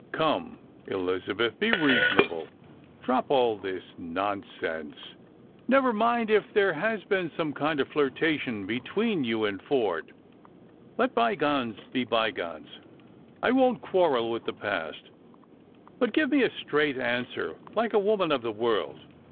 Come, Elizabeth, be reasonable ; drop all this nonsense. Never mind if there has been some kind of flirtation between you and Forde ; let bygones be byc^ones ; I won't quarrel with the past. But give me a straight answer, like a woman of the world.